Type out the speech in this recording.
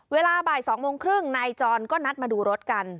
เวลาบ่าย๒โมงครึ่งนายจรก็นัดมาดูรถกัน